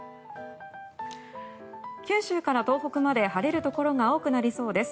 九州から東北まで晴れるところが多くなりそうです。